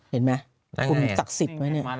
เห็นไหมคุณศักดิ์สิทธิ์ไหมเนี่ย